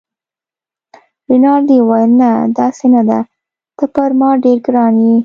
رینالډي وویل: نه، داسې نه ده، ته پر ما ډېر ګران يې.